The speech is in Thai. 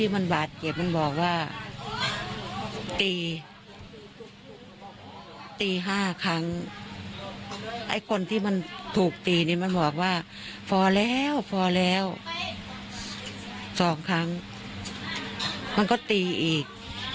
แม่ก็พอแล้วสองครั้งมันก็ตีอีก